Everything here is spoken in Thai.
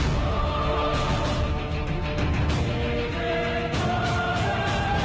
มีเทพธรรม